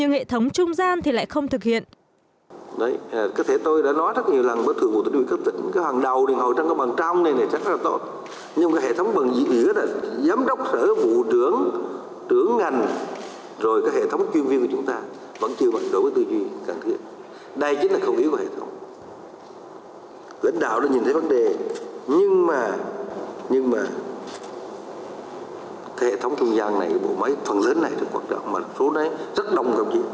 hệ thống trung gian thì lại không thực hiện